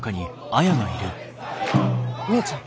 姉ちゃん！